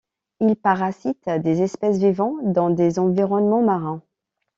Il parasite des espèces vivant dans des environnements marins.